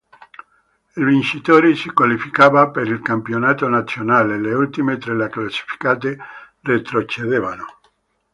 Il vincitore si qualificava per il campionato nazionale, le ultime tre classificate retrocedevano.